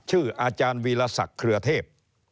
ชื่ออาจารย์วีรสักษ์เขื่อเทพ